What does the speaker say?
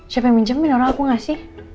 siapa yang minjemin orang aku gak sih